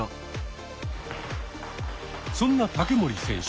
そんな竹守選手